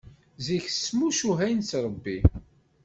Zik s tmucuha i nettrebbi.